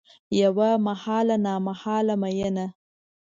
یوه محاله نامحاله میینه